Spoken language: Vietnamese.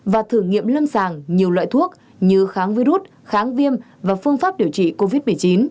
và thử nghiệm lâm sàng nhiều loại thuốc như kháng virus kháng viêm và phương pháp điều trị covid một mươi chín